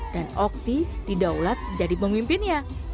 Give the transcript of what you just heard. dan okti didaulat jadi pemimpinnya